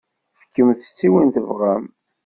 Fkemt-tt i win i tebɣamt.